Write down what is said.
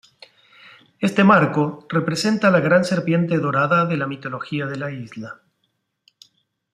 Este marco representa la gran serpiente dorada de la mitología de la isla.